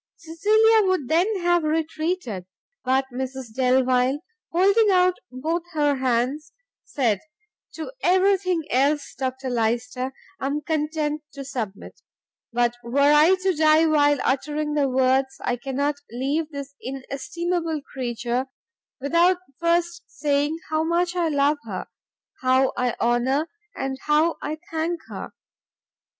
Cecilia would then have retreated, but Mrs Delvile, holding out both her hands, said "To every thing else, Dr Lyster, I am content to submit; but were I to die while uttering the words, I cannot leave this inestimable creature without first saying how much I love her, how I honour, and how I thank her!